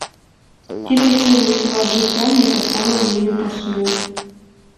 І такі вось лад жыцця мне таксама вельмі пасуе.